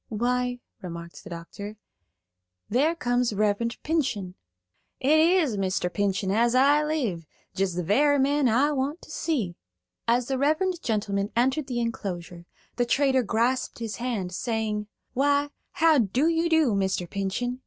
"Why," remarked the doctor, "there comes Reverend Pinchen." "It is Mr. Pinchen as I live; jest the very man I want to see." As the reverend gentleman entered the enclosure, the trader grasped his hand, saying: "Why, how do you do, Mr. Pinchen?